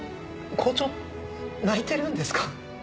校長泣いてるんですか？